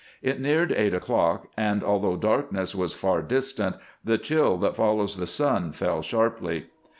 It neared eight o'clock, and, although darkness was far distant, the chill that follows the sun fell sharply.